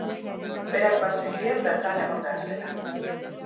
Berak bazekien bertan egon behar zela.